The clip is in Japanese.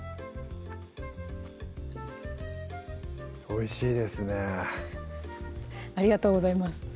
おいしいですねありがとうございます